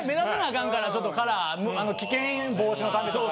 かんからちょっとカラー危険防止のためとか。